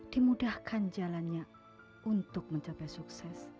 dimudahkan jalannya untuk mencapai sukses